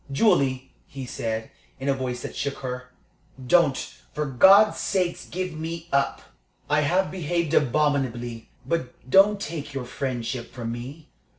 "Julie," he said, in a voice that shook her, "don't, for God's sake, give me up! I have behaved abominably, but don't take your friendship from me.